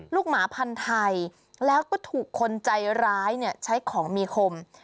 หมาพันธุ์ไทยแล้วก็ถูกคนใจร้ายใช้ของมีคม